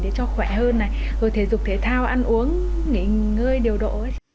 để cho khỏe hơn thể dục thể thao ăn uống nghỉ ngơi điều độ